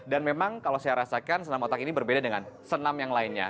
dan memang kalau saya rasakan senam otak ini berbeda dengan senam yang lainnya